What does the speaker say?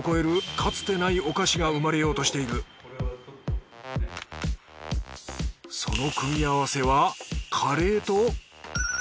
かつてないお菓子が生まれようとしているその組み合わせはカレーと。